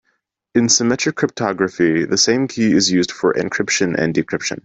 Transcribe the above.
In symmetric cryptography the same key is used for encryption and decryption.